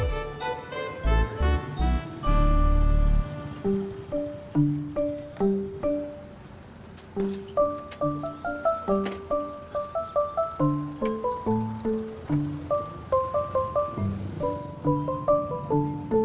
gak ada yang ngambeknya